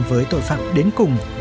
với tội phạm đến cùng